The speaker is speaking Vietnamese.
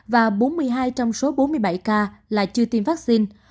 và bốn mươi hai trong số bốn mươi bảy ca là chưa tiêm vaccine